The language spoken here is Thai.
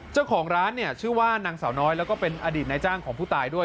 เจ้าของร้านเนี่ยชื่อว่านางสาวน้อยแล้วก็เป็นอดีตนายจ้างของผู้ตายด้วย